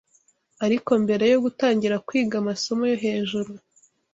Ariko mbere yo gutangira kwiga amasomo yo hejuru